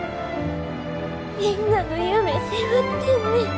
みんなの夢背負ってんねん。